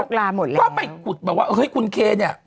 โรคลาหมดแล้วก็ไปขุดบอกว่าคุณเคเนี่ย